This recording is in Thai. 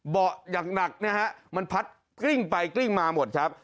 เบาะอย่างหนักนะฮะมันพัดกริ้งไปกลิ้งมาหมดครับ